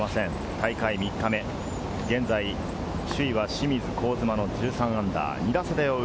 大会３日目、現在、首位は清水、香妻の−１３、２打差で追う